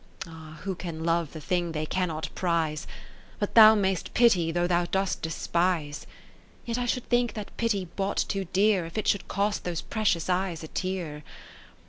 Ah, who can love the thing they cannot prize ? But thou mayst pity though thou dost despise. Yet I should think that pity bought too dear, If it should cost those precious eyes a tear.